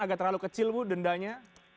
agak terlalu kecil bu dendanya